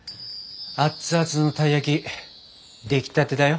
アッツアツのたい焼き出来たてだよ。